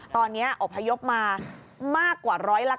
ตอนนี้อบพยกมามากกว่า๑๐๐ละ๙๙